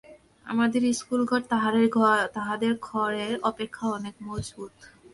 আমাদের স্কুলঘর তাহাদের ঘরের অপেক্ষা অনেক মজবুত।